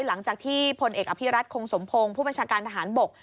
หลังจากที่พลเอกอภิรัตคงสมพงศ์ผู้บัญชาการทหารบก